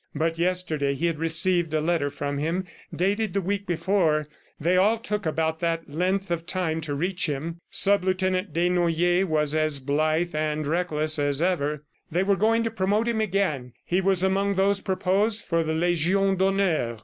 But yesterday he had received a letter from him, dated the week before; they all took about that length of time to reach him. Sub lieutenant Desnoyers was as blithe and reckless as ever. They were going to promote him again he was among those proposed for the Legion d'Honneur.